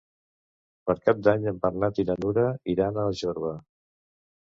Per Cap d'Any en Bernat i na Nura iran a Jorba.